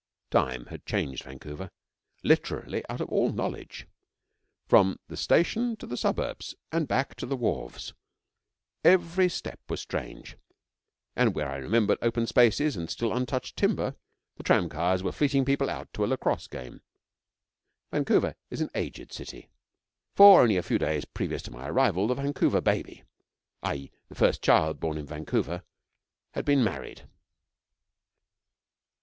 Time had changed Vancouver literally out of all knowledge. From the station to the suburbs, and back to the wharves, every step was strange, and where I remembered open spaces and still untouched timber, the tramcars were fleeting people out to a lacrosse game. Vancouver is an aged city, for only a few days previous to my arrival the Vancouver Baby i.e. the first child born in Vancouver had been married.